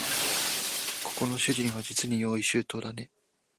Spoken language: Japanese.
ここの主人はじつに用意周到だね